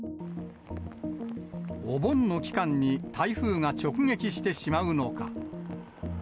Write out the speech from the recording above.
お盆の期間に台風が直撃してしまうのか。